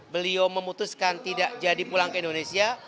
beliau memutuskan tidak jadi pulang ke indonesia